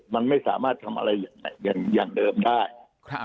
มันไม่สามารถทำอะไรอย่างเกี่ยวหน่อยยังเดิมได้ครับ